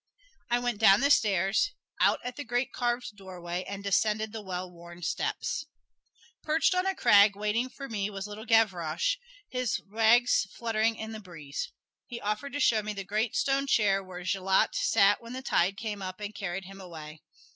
I went down the stairs out at the great carved doorway and descended the well worn steps. Perched on a crag waiting for me was little Gavroche, his rags fluttering in the breeze. He offered to show me the great stone chair where Gilliatt sat when the tide came up and carried him away.